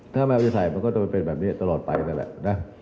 ถ้าไม่เอาไปใส่มันก็จะเป็นแบบนี้ตลอดไปนั่นแหละนะ